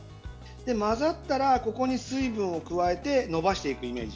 混ざったら、ここに水分を加えてのばしていくイメージ。